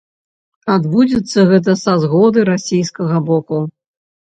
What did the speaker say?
Адбудзецца гэта са згоды расійскага боку.